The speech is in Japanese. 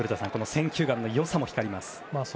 選球眼の良さも光ります。